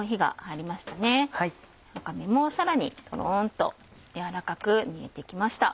わかめもさらにトロンと軟らかく煮えて来ました。